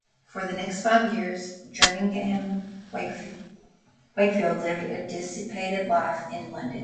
For the next five years Jerningham Wakefield lived a dissipated life in London.